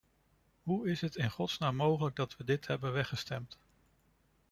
Hoe is het in godsnaam mogelijk dat we dit hebben weggestemd?